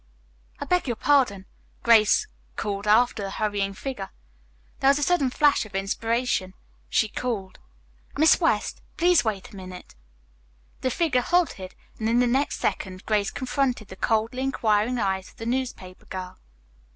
"I beg your pardon," called Grace after the hurrying figure. Then with a sudden flash of inspiration she called, "Miss West, please wait a minute." The figure halted, and in the next second Grace confronted the coldly inquiring eyes of the newspaper girl.